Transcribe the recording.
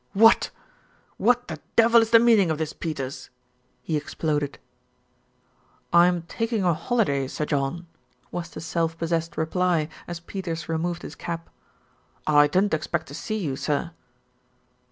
"What what the devil is the meaning of this, Peters?" he exploded. "I am taking a holiday, Sir John," was the self possessed reply, as Peters removed his cap. "I didn't expect to see you, sir."